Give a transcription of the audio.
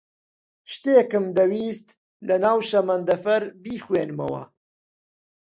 شتێکم دەویست لەناو شەمەندەفەر بیخوێنمەوە.